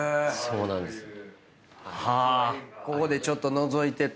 そうなんですよ。